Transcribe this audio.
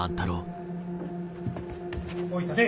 おい立て。